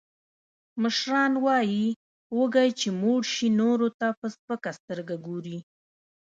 مشران وایي: وږی چې موړ شي، نورو ته په سپکه سترګه ګوري.